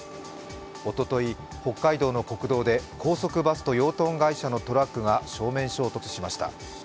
おととい、北海道の国道で高速バスと養豚会社のトラックが正面衝突しました。